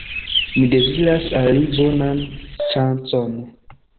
Mi deziras al li bonan ŝancon!